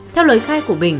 theo lời khai của bình